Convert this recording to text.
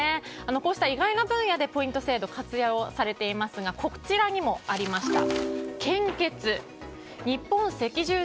こうした意外な分野でポイント制度を活用されていますがこちらにもありました。